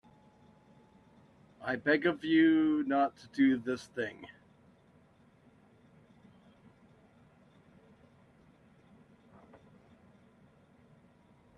I beg of you not to do this thing.